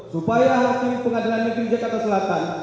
supaya hakim pengadilan negeri jakarta selatan